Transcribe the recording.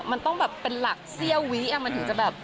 มันต้องแบบเป็นหลักเสี้ยววิมันถึงจะแบบ